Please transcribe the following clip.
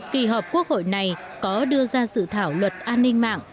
kỳ họp quốc hội này có đưa ra dự thảo luật an ninh mạng